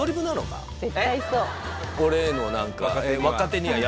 俺への何か。